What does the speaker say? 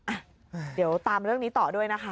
อ่ะเดี๋ยวตามเรื่องนี้ต่อด้วยนะคะ